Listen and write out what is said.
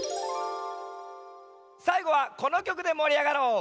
さいごはこのきょくでもりあがろう！